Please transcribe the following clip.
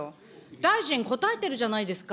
大臣、答えてるじゃないですか。